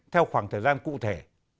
theo khoảng thời gian cụ thể